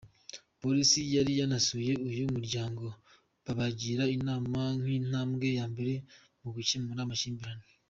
Polisi yari yaranasuye uyu muryango, babagira inama nk’intambwe ya mbere mu gukemura amakimbirane.